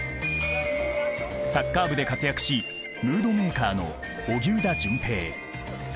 サッカー部で活躍しムードメーカーの荻生田隼平。